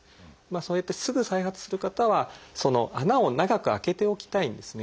そうやってすぐ再発する方は穴を長く開けておきたいんですね。